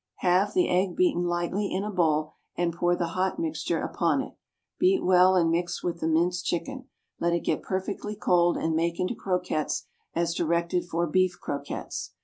Have the egg beaten light in a bowl and pour the hot mixture upon it. Beat well, and mix with the minced chicken. Let it get perfectly cold and make into croquettes as directed for beef croquettes.